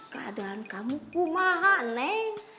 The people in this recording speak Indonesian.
keadaan kamu kumaha neng